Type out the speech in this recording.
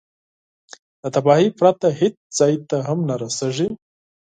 له تباهي پرته هېڅ ځای ته هم نه رسېږي.